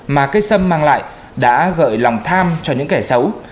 mà cây sâm mang lại đã gợi lòng tham cho những kẻ xấu